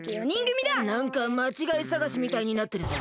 なんかまちがいさがしみたいになってるぞ。